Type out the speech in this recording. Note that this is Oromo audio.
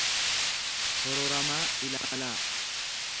hororamaa ilaalaa.